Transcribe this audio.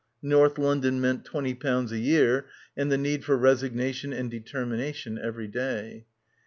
North London meant twenty pounds a year and the need for resignation and de termination every day.